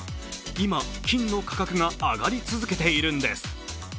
今、金の価格が上がり続けているんです。